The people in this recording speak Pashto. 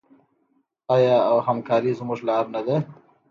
آیا او همکاري زموږ لاره نه ده؟